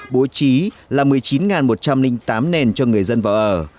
bố trí là một mươi chín một trăm linh tám nền cho người dân vào ở